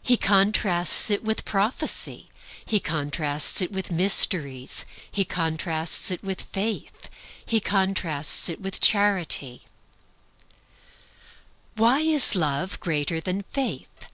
He contrasts it with prophecy. He contrasts it with mysteries. He contrasts it with faith. He contrasts it with charity. Why is Love greater than faith?